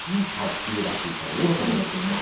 冬らしい便りも届いています。